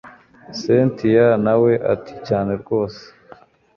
cyntia nawe ati cyane rwose